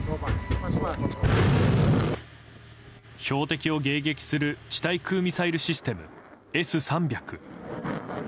標的を迎撃する地対空ミサイルシステムＳ３００。